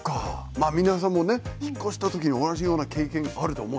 まあ皆さんもね引っ越した時に同じような経験あると思うんですよ。